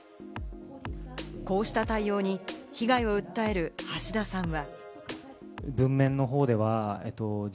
こうした対応に被害を訴える橋田さんは。